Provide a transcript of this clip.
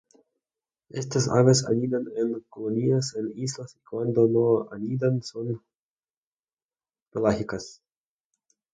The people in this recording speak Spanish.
Estas aves anidan en colonias en islas y cuando no anidan son pelágicas.